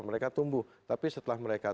mereka tumbuh tapi setelah mereka